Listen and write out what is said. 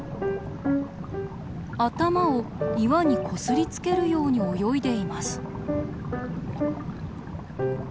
頭を岩にこすりつけるように泳いでいます。